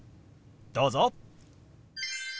どうぞ。